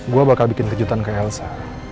gue bakal bikin kejutan ke elsa